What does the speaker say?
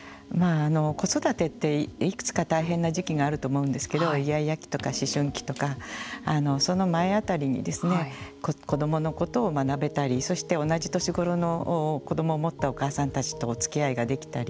子育てっていくつか大変な時期があると思うんですけれどもイヤイヤ期とか思春期とかその前あたりに子どものことを学んだり同じ年ごろの子どもを持ったお母さんたちとおつきあいができたり。